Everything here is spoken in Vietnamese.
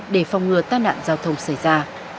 để phòng ngừa tai nạn giao thông xảy ra